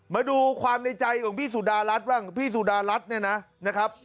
มาดูความในใจของพี่สุดารัชพี่สุดารัชนะนะครับ